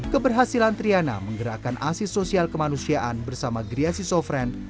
keberhasilan triana menggerakkan asis sosial kemanusiaan bersama gria siso fren